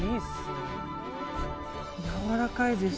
やわらかいです。